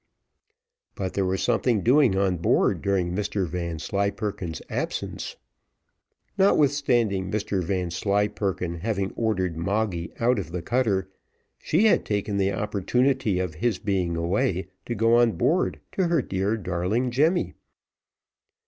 But there was something doing on board during Mr Vanslyperken's absence. Notwithstanding Mr Vanslyperken having ordered Moggy out of the cutter, she had taken the opportunity of his being away to go on board to her dear, darling Jemmy.